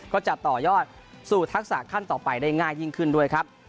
ก็จะต่อยอดสู่ทักษะขั้นต่อไปได้ง่ายยิ่งขึ้นด้วยครับ